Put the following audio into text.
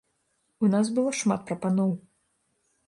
У нас было шмат прапаноў.